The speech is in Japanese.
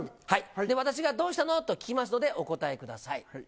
それで私が、どうしたの？と聞きますので、お答えください。